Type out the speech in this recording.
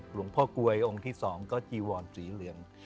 หลวงพ่อกลวยองค์ที่๒ก็จีวอนสีเหลือง